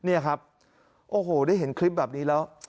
นี่ครับโอ้โหได้เห็นคลิปแบบนี้แล้ว